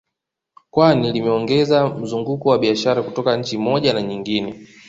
Kwani limeongeza mzunguko wa biashara kutoka nchi moja na nyingine